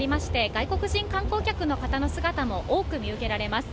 外国人観光客の方の姿も多く見受けられます。